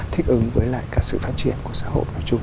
thích ứng với lại cả sự phát triển của xã hội